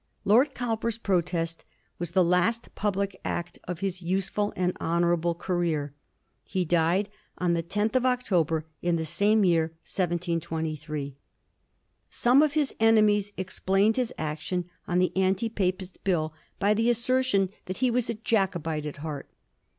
Lord €owper's protest was the last public act of his usefiil and honourable career. He died on the 10th of October in the same year, 1723. Some of his ene mies explained his action on the anti Papist Bill by the assertion that he was a Jacobite at heart.